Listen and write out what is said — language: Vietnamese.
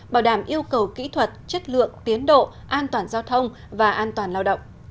bảo đảm yêu cầu kỹ thuật chất lượng tiến độ an toàn giao thông và an toàn lao động